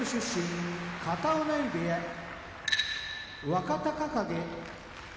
若隆景